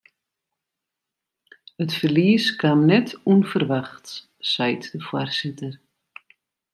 It ferlies kaam net ûnferwachts, seit de foarsitter.